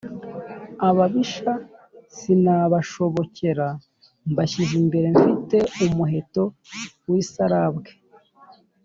ababisha sinabashobokera, mbashinze imbere mfite umuheto w’isarabwe.